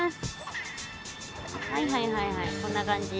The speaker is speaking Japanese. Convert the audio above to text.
はいはいはいはいこんな感じ。